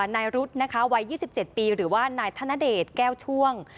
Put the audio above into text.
นายรุธนะคะวัย๒๗ปีหรือว่านายธนเดชแก้วช่วง